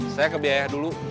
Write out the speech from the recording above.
saya kebiaya dulu